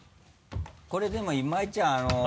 これでも今井ちゃん